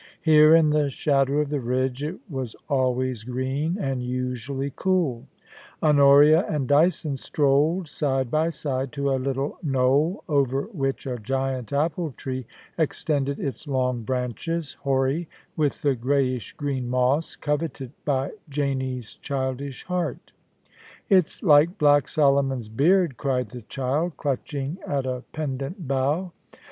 Here, in the shadow of the ridge, it was always green, and usually cool Honoria and Dyson strolled, side by side, to a little knoll over which a giant apple tree extended its long branches, hoary with the greyish green moss coveted by Janie*s childish heart * It's like black Solomon's beard,' cried the child, clutch ing at a pendent bough.